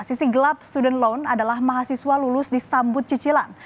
sisi gelap student loan adalah mahasiswa lulus disambut cicilan